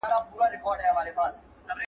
زه پرون مکتب ته ولاړم؟!